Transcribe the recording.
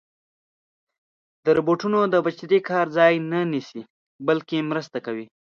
روبوټونه د بشري کار ځای نه نیسي، بلکې مرسته کوي.